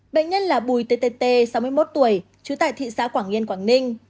bệnh nhân là bùi ttt sáu mươi một tuổi trú tại thị xã quảng nghiên quảng ninh